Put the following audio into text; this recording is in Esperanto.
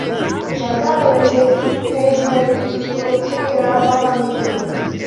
Baldaŭe li estis hejma edukisto ĉe grafa familio.